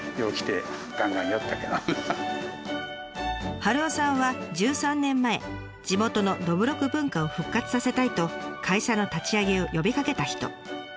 春雄さんは１３年前地元のどぶろく文化を復活させたいと会社の立ち上げを呼びかけた人。